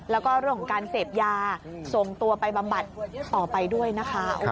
แล้วก็เรื่องของการเสพยาส่งตัวไปบำบัดต่อไปด้วยนะคะ